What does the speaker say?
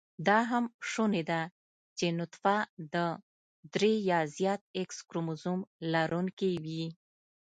دا هم شونې ده چې نطفه د درې يا زیات x کروموزم لرونېکې وي